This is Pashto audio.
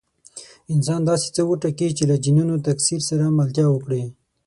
انسان داسې څه وټاکي چې له جینونو تکثیر سره ملتیا وکړي.